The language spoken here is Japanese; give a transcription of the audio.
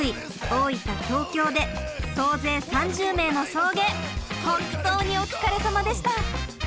東京で総勢３０名の送迎本当にお疲れさまでした！